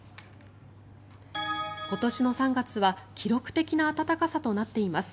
今年の３月は記録的な暖かさとなっています。